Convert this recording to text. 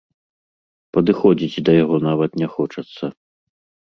Падыходзіць да яго нават не хочацца.